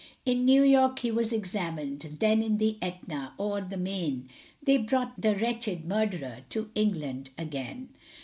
In New York he was examined, Then in the Etna, o'er the main, They brought the wretched murderer To England again.